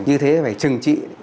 như thế phải trừng trị